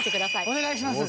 お願いします！